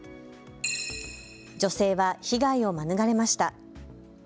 女性は被害を免れました。